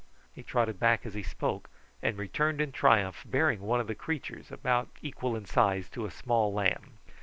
He trotted back as he spoke, and returned in triumph bearing one of the creatures, about equal in size to a small lamb.